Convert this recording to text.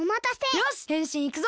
よしへんしんいくぞ！